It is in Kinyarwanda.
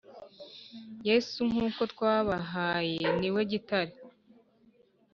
Yesu nk uko twabahaye niwe gitare